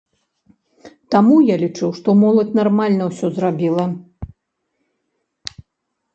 Таму я лічу, што моладзь нармальна ўсё зрабіла.